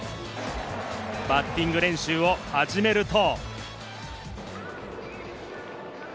バッティング練習を始めると。